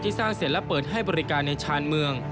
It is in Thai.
สร้างเสร็จและเปิดให้บริการในชานเมือง